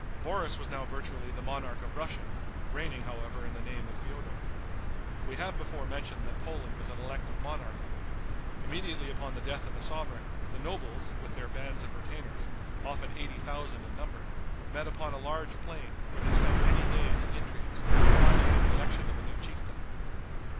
Boris was now virtually the monarch of Russia, reigning, however, in the name of Feodor. We have before mentioned that Poland was an elective monarchy. Immediately upon the death of a sovereign, the nobles, with their bands of retainers, often eighty thousand in number, met upon a large plain, where they spent many days in intrigues and finally in the election of a new chieftain.